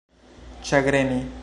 ĉagreni